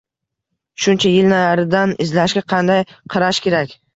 Shuncha yil naridan izlashga qanday qarash kerak?